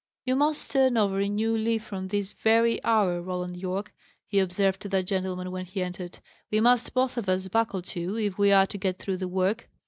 "You must turn over a new leaf from this very hour, Roland Yorke," he observed to that gentleman, when he entered. "We must both of us buckle to, if we are to get through the work."